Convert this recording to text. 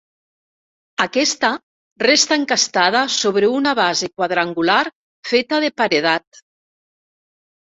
Aquesta, resta encastada sobre una base quadrangular feta de paredat.